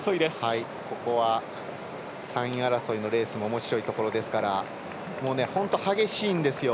３位争いのレースもおもしろいところですからもう本当、激しいんですよ。